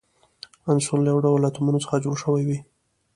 عنصر له یو ډول اتومونو څخه جوړ شوی وي.